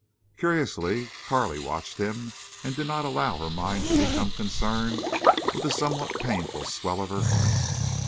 Curiously Carley watched him, and did not allow her mind to become concerned with a somewhat painful swell of her heart.